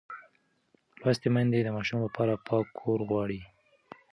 لوستې میندې د ماشوم لپاره پاک کور غواړي.